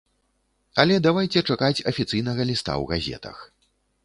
Але давайце чакаць афіцыйнага ліста ў газетах.